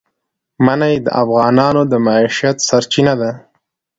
منی د افغانانو د معیشت سرچینه ده.